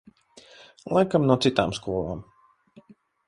Laikam no citām skolām.